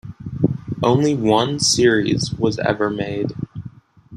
Only one series was ever made.